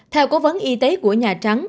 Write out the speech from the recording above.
theo cố vấn y tế của nhà trắng